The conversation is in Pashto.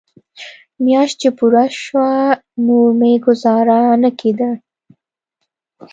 مياشت چې پوره سوه نور مې گوزاره نه کېده.